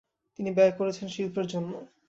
তিনি ব্যয় করেছেন শিল্পের জন্য।